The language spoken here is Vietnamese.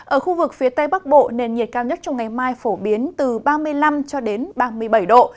ở khu vực phía tây bắc bộ nền nhiệt cao nhất trong ngày mai phổ biến từ ba mươi năm cho đến ba mươi bảy độ